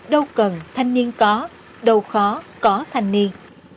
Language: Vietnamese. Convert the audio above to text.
đâu cần thanh niên có đâu khó có thanh niên